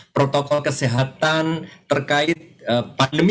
protokol kesehatan terkait pandemi